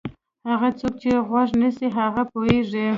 هغه څوک چې غوږ نیسي هغه پوهېږي.